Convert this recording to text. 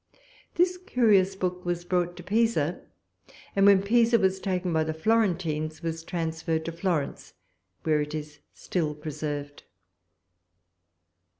This curious book was brought to Pisa; and when Pisa was taken by the Florentines, was transferred to Florence, where it is still preserved.